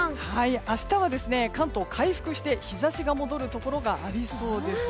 明日は関東、回復して日差しが戻るところがありそうです。